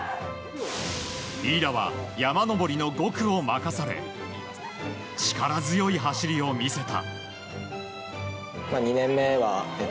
飯田は山上りの５区を任され力強い走りを見せた。